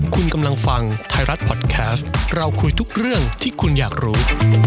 คุณกำลังฟังไทยรัฐพอดแคสต์เราคุยทุกเรื่องที่คุณอยากรู้